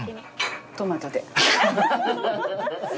トマトで。